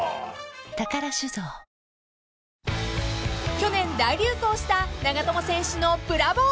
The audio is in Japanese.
［去年大流行した長友選手のブラボー！］